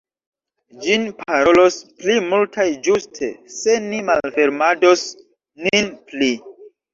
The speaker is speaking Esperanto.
Ĝin parolos pli multaj ĝuste se ni malfermados nin pli!